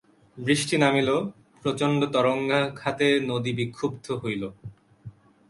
বৃষ্টি নামিল, প্রচণ্ড তরঙ্গাঘাতে নদী বিক্ষুব্ধ হইল।